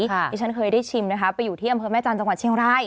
ที่ฉันเคยได้ชิมนะคะไปอยู่ที่อำเภอแม่จันทร์จังหวัดเชียงราย